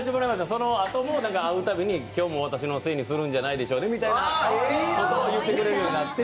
そのあとも会うたびに、今日も私のせいにするんじゃないでしょうねと言ってくれるようになって。